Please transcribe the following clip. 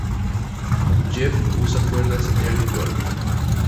Jeff usa cuerdas Ernie Ball.